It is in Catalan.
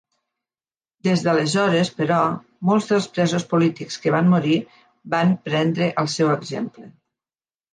Des d'aleshores, però, molts dels presos polítics que van morir van prendre el seu exemple.